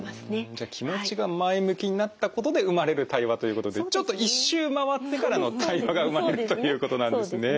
じゃあ気持ちが前向きになったことで生まれる対話ということでちょっと一周回ってからの対話が生まれるということなんですね。